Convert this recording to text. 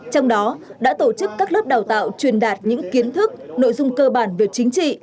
trong đó đã tổ chức các lớp đào tạo truyền đạt những kiến thức nội dung cơ bản về chính trị